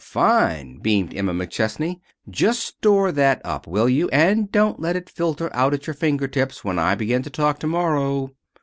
"Fine!" beamed Emma McChesney. "Just store that up, will you? And don't let it filter out at your finger tips when I begin to talk to morrow."